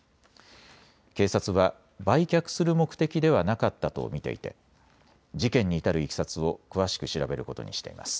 警察は売却する目的ではなかったと見ていて事件に至るいきさつを詳しく調べることにしています。